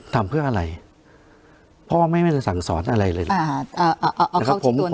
ทำเพื่ออะไรเพราะว่าไม่ได้สั่งสอนอะไรเลยนะครับผม